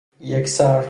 یکسر